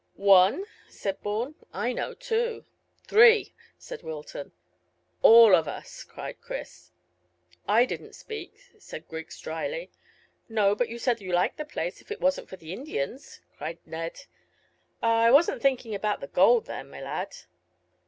"One?" said Bourne. "I know two." "Three," said Wilton. "All of us," cried Chris. "I didn't speak," said Griggs dryly. "No; but you said you liked the place if it wasn't for the Indians," cried Ned. "Ah, I wasn't thinking about the gold then, my lad."